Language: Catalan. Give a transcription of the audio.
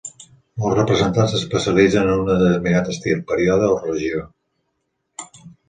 Molts representants s'especialitzen en un determinat estil, període o regió.